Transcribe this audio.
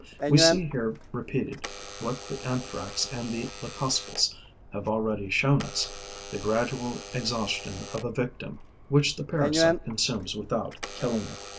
We see here repeated what the Anthrax and the Leucospis have already shown us: the gradual exhaustion of a victim which the parasite consumes without killing it.